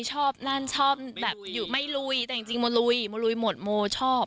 ชอบนั่นชอบแบบอยู่ไม่ลุยแต่จริงโมลุยโมลุยหมดโมชอบ